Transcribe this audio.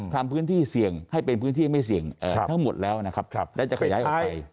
ทำพื้นที่เสี่ยงให้เป็นพื้นที่ไม่เสี่ยงทั้งหมดแล้วนะครับและจะขยายออกไป